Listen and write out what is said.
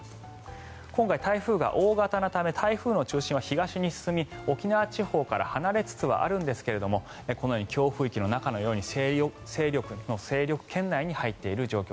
今回、台風が大型のため台風の中心は東に進み、沖縄地方から離れつつはあるんですがこのように強風域の勢力圏内に入っています。